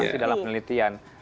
masih dalam penelitian